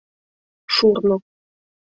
ШУРНО